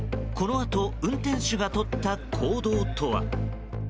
このあと運転手がとった行動とは。